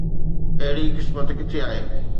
اهڙي قسمت ڪٿي آهي؟